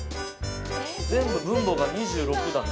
全部分母が２６だね。